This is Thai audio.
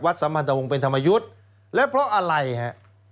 สัมพันธวงศ์เป็นธรรมยุทธ์และเพราะอะไรฮะ